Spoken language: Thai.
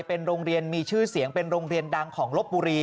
เป็นโรงเรียนมีชื่อเสียงเป็นโรงเรียนดังของลบบุรี